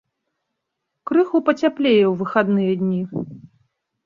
Крыху пацяплее ў выхадныя дні.